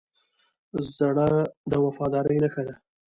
زړه د وفادارۍ نښه ده.